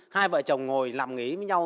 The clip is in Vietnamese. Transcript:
hai vợ chồng ngồi làm nghế với nhau